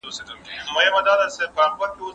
خاوند ميرمني ته ضرر نه رسوي.